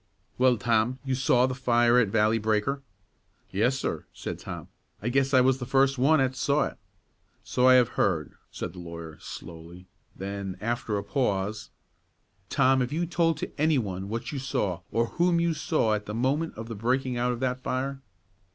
"Well, Tom, you saw the fire at the Valley Breaker?" "Yes, sir," said Tom; "I guess I was the first one 'at saw it." "So I have heard," said the lawyer, slowly; then, after a pause, "Tom have you told to any one what you saw, or whom you saw at the moment of the breaking out of that fire?"